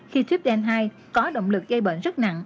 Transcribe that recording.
khi trypden hai có động lực gây bệnh rất nặng